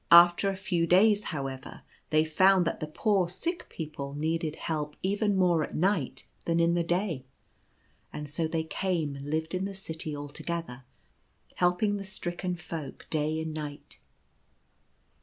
After a few days, however, they found that the poor sick people needed help even more at night than in the day, and so they came and lived in the city altogether, helping the stricken folk day and night.